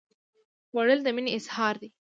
خوړل د مینې اظهار دی